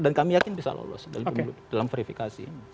dan kami yakin bisa lolos dalam verifikasi ini